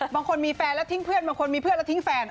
บางคนมีแฟนแล้วทิ้งเพื่อนบางคนมีเพื่อนแล้วทิ้งแฟน